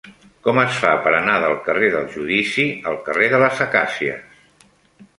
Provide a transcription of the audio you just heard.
Com es fa per anar del carrer del Judici al carrer de les Acàcies?